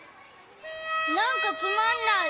なんかつまんない。